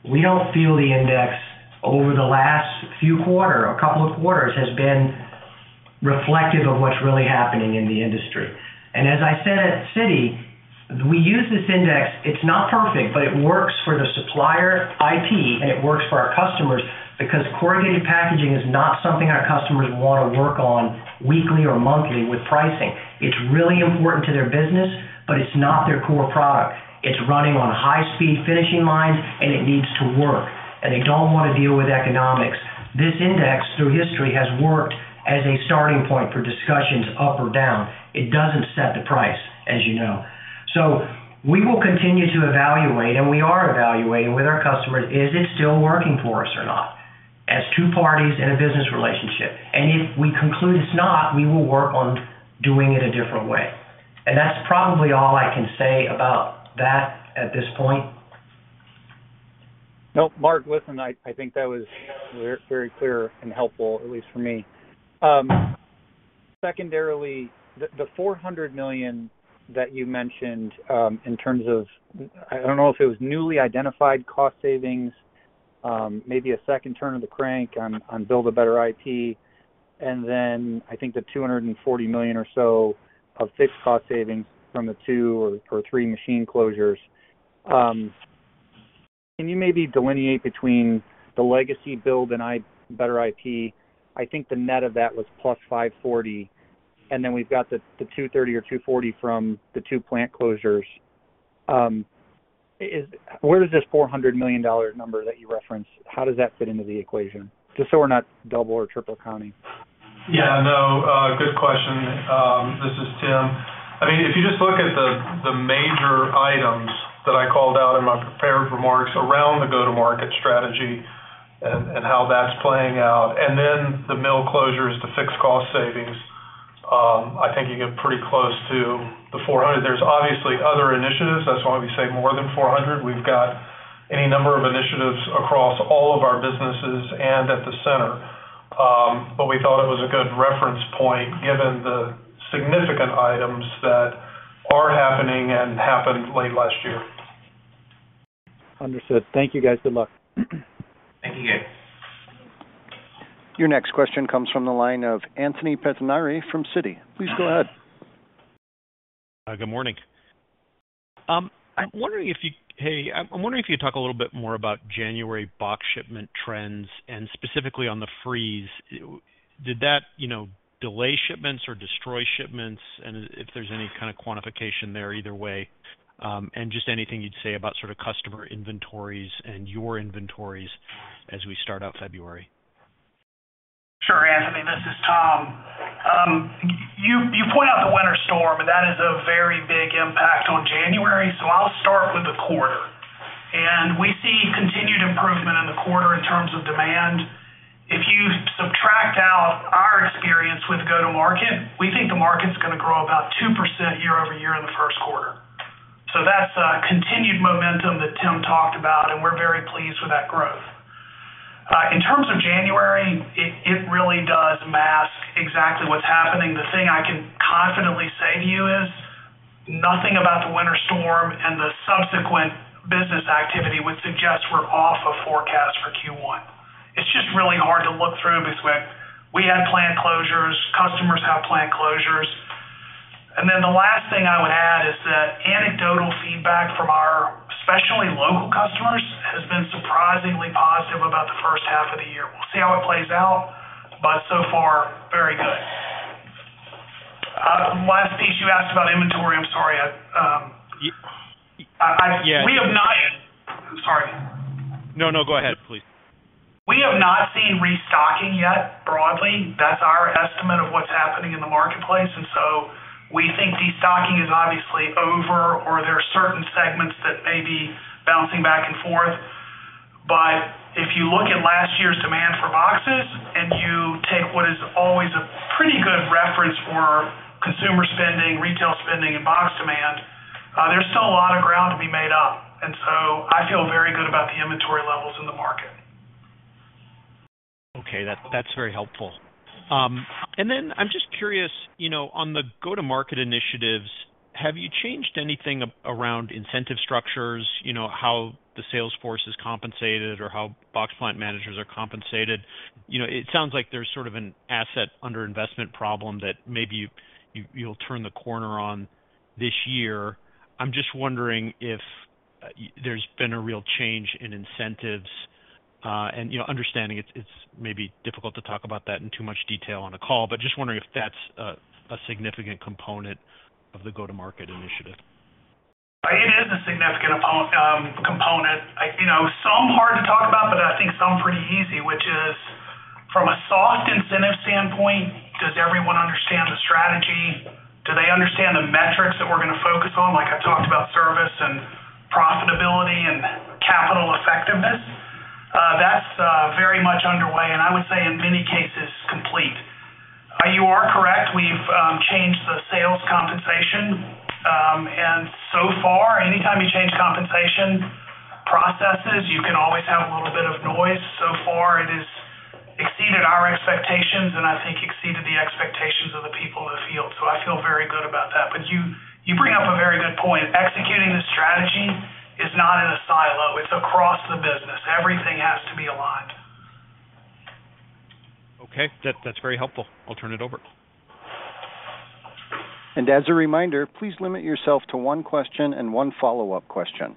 Speaker 3: we don't feel the index over the last few quarters, a couple of quarters, has been reflective of what's really happening in the industry. And as I said at Citi, we use this index. It's not perfect, but it works for the supplier, IP, and it works for our customers because corrugated packaging is not something our customers want to work on weekly or monthly with pricing. It's really important to their business, but it's not their core product. It's running on high-speed finishing lines, and it needs to work, and they don't want to deal with economics. This index, through history, has worked as a starting point for discussions up or down. It doesn't set the price, as you know. So we will continue to evaluate, and we are evaluating with our customers, is it still working for us or not, as two parties in a business relationship? And if we conclude it's not, we will work on doing it a different way. And that's probably all I can say about that at this point.
Speaker 11: Nope. Mark, listen, I think that was very clear and helpful, at least for me. Secondarily, the $400 million that you mentioned, in terms of, I don't know if it was newly identified cost savings, maybe a second turn of the crank on Build a Better IP, and then I think the $240 million or so of fixed cost savings from the two or three machine closures. Can you maybe delineate between the legacy build and Better IP? I think the net of that was +$540, and then we've got the $230 or $240 from the two plant closures. Where does this $400 million number that you referenced fit into the equation? Just so we're not double or triple counting.
Speaker 4: Yeah, no, good question. This is Tim. I mean, if you just look at the major items that I called out in my prepared remarks around the go-to-market strategy and how that's playing out, and then the mill closures, the fixed cost savings, I think you get pretty close to the $400 million. There's obviously other initiatives. That's why we say more than $400 million. We've got any number of initiatives across all of our businesses and at the center. But we thought it was a good reference point, given the significant items that are happening and happened late last year.
Speaker 11: Understood. Thank you, guys. Good luck.
Speaker 3: Thank you.
Speaker 1: Your next question comes from the line of Anthony Pettinari from Citi. Please go ahead.
Speaker 12: Good morning. I'm wondering if you could talk a little bit more about January box shipment trends, and specifically on the freeze. Did that, you know, delay shipments or destroy shipments? And if there's any kind of quantification there either way. And just anything you'd say about sort of customer inventories and your inventories as we start out February.
Speaker 6: Sure, Anthony, this is Tom. You point out the winter storm, and that is a very big impact on January. So I'll start with the quarter. We see continued improvement in the quarter in terms of demand. If you subtract out our experience with go-to-market, we think the market's going to grow about 2% year-over-year in the first quarter. So that's a continued momentum that Tim talked about, and we're very pleased with that growth. In terms of January, it really does mask exactly what's happening. The thing I can confidently say to you is, nothing about the winter storm and the subsequent business activity would suggest we're off of forecast for Q1. It's just really hard to look through because we had plant closures, customers had plant closures. And then the last thing I would add is that anecdotal feedback from our, especially local customers, has been surprisingly positive about the first half of the year. We'll see how it plays out, but so far, very good. Last piece you asked about inventory. I'm sorry, I,
Speaker 12: Yeah.
Speaker 6: Sorry.
Speaker 12: No, no, go ahead, please.
Speaker 6: We have not seen restocking yet, broadly. That's our estimate of what's happening in the marketplace, and so we think destocking is obviously over or there are certain segments that may be bouncing back and forth. But if you look at last year's demand for boxes, and you take what is always a pretty good reference for consumer spending, retail spending, and box demand, there's still a lot of ground to be made up. And so I feel very good about the inventory levels in the market. ...
Speaker 12: Okay, that's, that's very helpful. And then I'm just curious, you know, on the go-to-market initiatives, have you changed anything around incentive structures? You know, how the sales force is compensated or how box plant managers are compensated? You know, it sounds like there's sort of an asset under investment problem that maybe you, you'll turn the corner on this year. I'm just wondering if there's been a real change in incentives, and, you know, understanding it's maybe difficult to talk about that in too much detail on a call, but just wondering if that's a significant component of the go-to-market initiative.
Speaker 6: It is a significant opportunity component. You know, some hard to talk about, but I think some pretty easy, which is from a soft incentive standpoint, does everyone understand the strategy? Do they understand the metrics that we're going to focus on? Like I talked about service and profitability and capital effectiveness. That's very much underway, and I would say in many cases, complete. You are correct. We've changed the sales compensation, and so far, anytime you change compensation processes, you can always have a little bit of noise. So far, it has exceeded our expectations and I think exceeded the expectations of the people in the field, so I feel very good about that. But you bring up a very good point. Executing this strategy is not in a silo; it's across the business. Everything has to be aligned.
Speaker 12: Okay, that's very helpful. I'll turn it over.
Speaker 1: As a reminder, please limit yourself to one question and one follow-up question.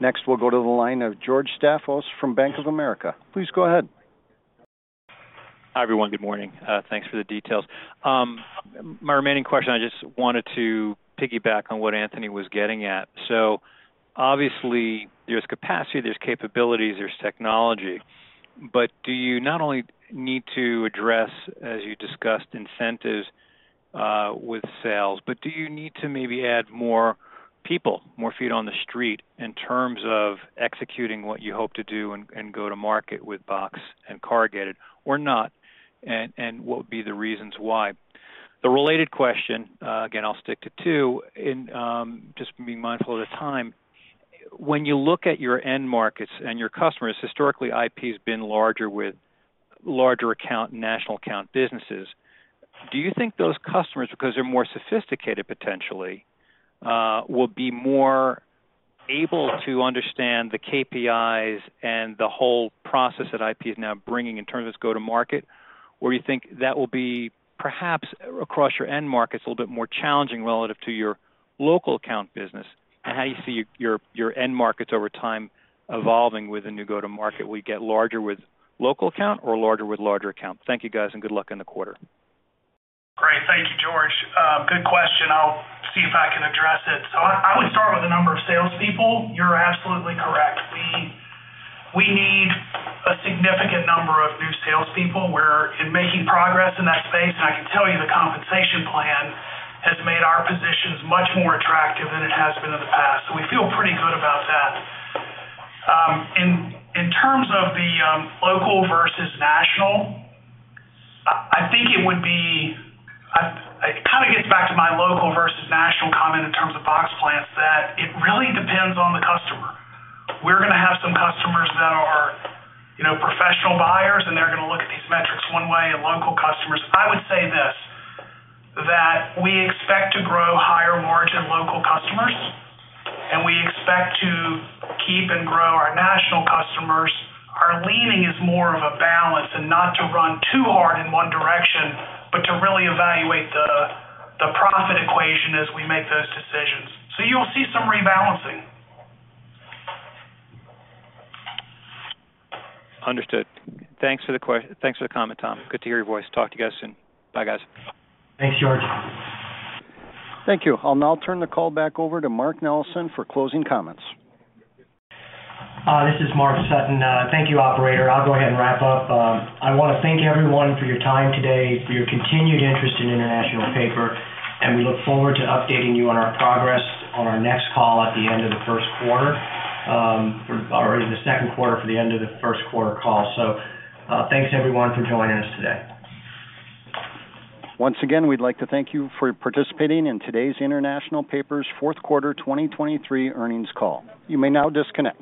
Speaker 1: Next, we'll go to the line of George Staphos from Bank of America. Please go ahead.
Speaker 13: Hi, everyone. Good morning. Thanks for the details. My remaining question, I just wanted to piggyback on what Anthony was getting at. So obviously, there's capacity, there's capabilities, there's technology, but do you not only need to address, as you discussed, incentives with sales, but do you need to maybe add more people, more feet on the street, in terms of executing what you hope to do and go-to-market with box and corrugated or not? And what would be the reasons why? The related question, again, I'll stick to two in just being mindful of the time. When you look at your end markets and your customers, historically, IP has been larger with larger account, national account businesses. Do you think those customers, because they're more sophisticated, potentially, will be more able to understand the KPIs and the whole process that IP is now bringing in terms of this go-to-market, or you think that will be perhaps across your end markets, a little bit more challenging relative to your local account business, and how you see your, your end markets over time evolving with a new go-to-market? Will you get larger with local account or larger with larger account? Thank you, guys, and good luck in the quarter.
Speaker 6: Great. Thank you, George. Good question. I'll see if I can address it. So I would start with the number of salespeople. You're absolutely correct. We need a significant number of new salespeople. We're making progress in that space, and I can tell you the compensation plan has made our positions much more attractive than it has been in the past, so we feel pretty good about that. In terms of the local versus national, I think it would be. It kind of gets back to my local versus national comment in terms of box plants, that it really depends on the customer. We're going to have some customers that are, you know, professional buyers, and they're going to look at these metrics one way, and local customers. I would say this, that we expect to grow higher-margin local customers, and we expect to keep and grow our national customers. Our leaning is more of a balance and not to run too hard in one direction, but to really evaluate the profit equation as we make those decisions. So you'll see some rebalancing.
Speaker 13: Understood. Thanks for the comment, Tom. Good to hear your voice. Talk to you guys soon. Bye, guys.
Speaker 6: Thanks, George.
Speaker 1: Thank you. I'll now turn the call back over to Mark Nellessen for closing comments.
Speaker 3: This is Mark Sutton. Thank you, operator. I'll go ahead and wrap up. I want to thank everyone for your time today, for your continued interest in International Paper, and we look forward to updating you on our progress on our next call at the end of the first quarter, or the second quarter for the end of the first quarter call. So, thanks, everyone, for joining us today.
Speaker 1: Once again, we'd like to thank you for participating in today's International Paper fourth quarter 2023 earnings call. You may now disconnect.